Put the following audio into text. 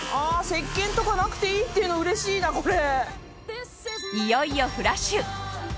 石鹸とかなくていいっていうのうれしいなこれ。